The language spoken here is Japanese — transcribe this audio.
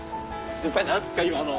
先輩何すか今の。